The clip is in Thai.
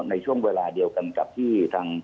ในช่วงเวลาเดียวกันกับที่ทาง